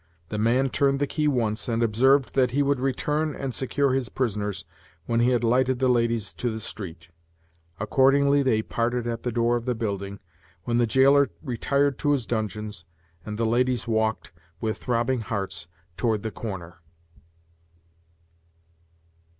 The man turned the key once, and observed that he would return and secure his prisoners, when he had lighted the ladies to the street. Accordingly they parted at the door of the building, when the jailer retired to his dungeons, and the ladies walked, with throbbing hearts, toward the corner.